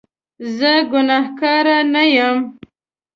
زه ګناکاره نه یم